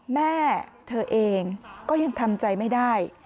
แม่เธอเองก็ยังทำใจไม่ได้